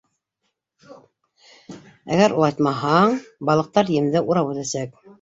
Әгәр улайтмаһаң, балыҡтар емде урап үтәсәк.